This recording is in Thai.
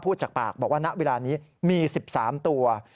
จากปากบอกว่าณเวลานี้มี๑๓ตัว